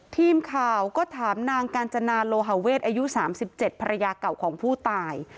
ทีมข่าวก็ถามนางกาญจนาโลหาเวทอายุ๓๗ภรรยาเก่าของผู้ตาย